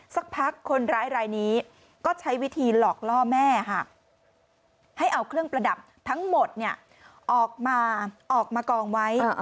สักพักคนร้ายรายนี้ก็ใช้วิธีหลอกล่อแม่ให้เอาเครื่องประดับทั้งหมดออกมาออกมากองไว้